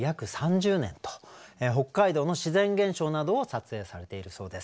北海道の自然現象などを撮影されているそうです。